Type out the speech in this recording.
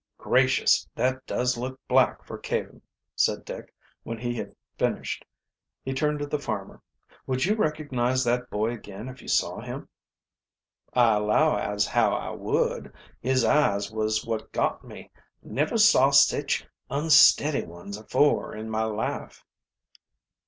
"Gracious, that does look black for Caven!" said Dick, when he had finished. He turned to the farmer. "Would you recognize that boy again if you saw him?" "I allow as how I would. His eyes was wot got me never saw sech unsteady ones afore in my life."